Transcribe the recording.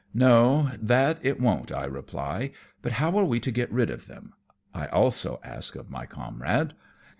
" No, that it won't,^' I reply, " but how are we to get rid of them ?" I also ask of my comrade.